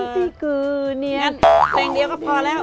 เพลงเดียวก็พอแล้ว